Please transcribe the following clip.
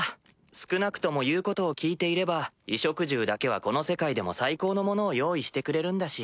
少なくとも言うことを聞いていれば衣食住だけはこの世界でも最高のものを用意してくれるんだし。